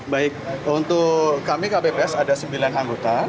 baik untuk kami kpps ada sembilan anggota